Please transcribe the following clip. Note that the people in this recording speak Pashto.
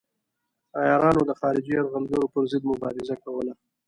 عیارانو د خارجي یرغلګرو پر ضد مبارزه کوله.